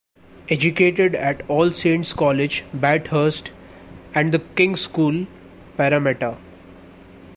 Educated at All Saints College, Bathurst, and The King's School, Parramatta.